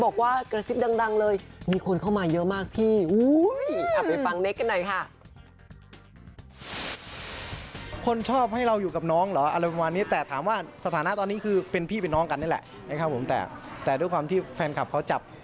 ก็คือเป็นพี่เป็นน้องนั้นแหละแต่ด้วยความที่แฟนคลับเขาจับ